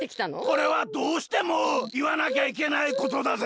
これはどうしてもいわなきゃいけないことだぜ！